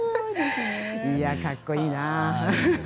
いやあ、かっこいいな。